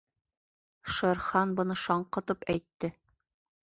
— Шер Хан быны шаңҡытып әйтте.